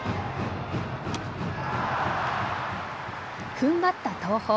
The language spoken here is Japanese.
ふんばった東邦。